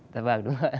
dạ vâng đúng rồi